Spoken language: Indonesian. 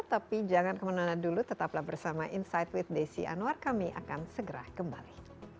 tapi jangan kemana mana dulu tetaplah bersama insight with desi anwar kami akan segera kembali